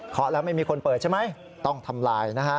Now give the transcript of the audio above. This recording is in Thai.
แล้วไม่มีคนเปิดใช่ไหมต้องทำลายนะฮะ